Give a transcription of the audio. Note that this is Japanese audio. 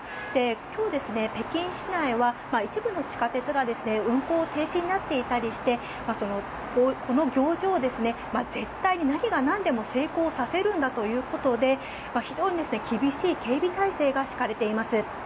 今日、北京市内は一部の地下鉄が運行停止になっていたりしてこの行事を絶対に何がなんでも成功させるんだということで非常に厳しい警備態勢が敷かれています。